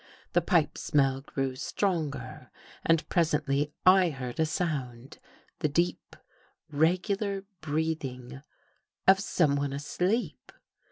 ■ The pipe smell grew stronger, and presently I heard a sound — the deep regular breathing of someone asleep.